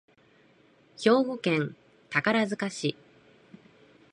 兵庫県宝塚市